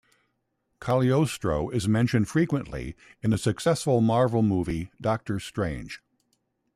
Cagliostro is mentioned frequently in the successful Marvel movie Doctor Strange.